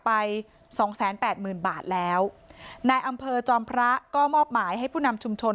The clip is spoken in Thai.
ไป๒๘๐๐๐๐บาทแล้วในอำเภอจอมพระก็มอบหมายให้ผู้นำชุมชน